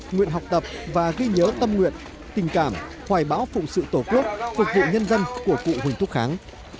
nguyện học tập và ghi nhớ tâm nguyện tình cảm hoài bão phụ sự tổ quốc phục vụ nhân dân của cụ huỳnh thúc kháng